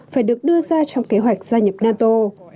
phải được đưa ra trong kế hoạch gia nhập nato